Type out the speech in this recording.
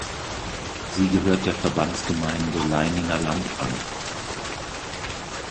Sie gehört der Verbandsgemeinde Leiningerland an.